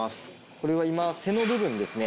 これは今背の部分ですね。